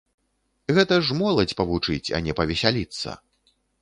Гэта ж моладзь павучыць, а не павесяліцца!